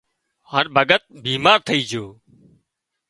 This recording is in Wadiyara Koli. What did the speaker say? هانَ ڀڳت بيمار ٿئي جھو